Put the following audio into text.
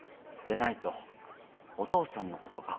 でないとお父さんのこと